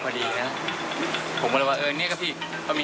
ผมก็เลยว่าเออเนี่ยก็พี่มันมี๕๑๐